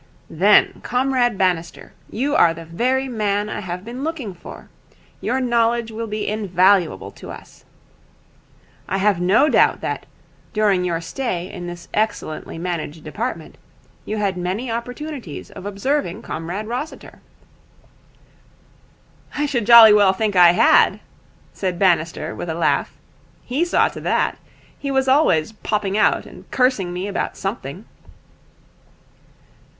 'Then, Comrade Bannister, you are the very man I have been looking for. Your knowledge will be invaluable to us. I have no doubt that, during your stay in this excellently managed department, you had many opportunities of observing Comrade Rossiter?' 'I should jolly well think I had,' said Bannister with a laugh. 'He saw to that. He was always popping out and cursing me about something.'